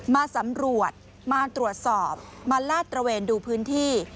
มาสำรวจมาตรวจสอบมาลาดตระเวนดูพื้นที่